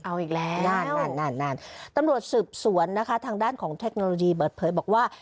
เอาอีกแล้วตำรวจศึกษวนทางด้านของเทคโนโลยีเบิร์ตเพลย์บอกว่า